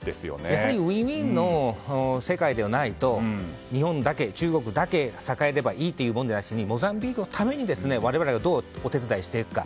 やはり、ウィンウィンの世界でないと日本だけ、中国だけ栄えればいいというわけではなくてモザンビークのために我々がどうお手伝いをしていくか。